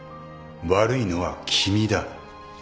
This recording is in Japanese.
悪いのは君だ。